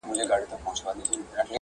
د پردیو ملایانو له آذانه یمه ستړی-